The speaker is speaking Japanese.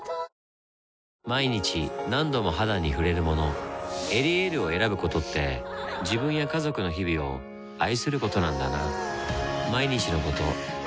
毎日何度も肌に触れるもの「エリエール」を選ぶことって自分や家族の日々を愛することなんだなぁ